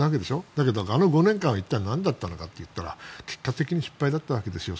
だけどあの５年間は一体何なんだと言ったら結果的に失敗だったわけですよ。